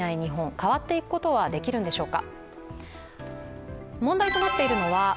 変わっていくことはできるんでしょうか。